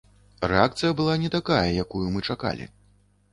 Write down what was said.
Рэакцыя была не такая, якую мы чакалі.